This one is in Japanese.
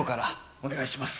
お願いします。